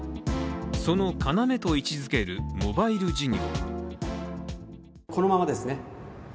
その要と位置づけるモバイル事業。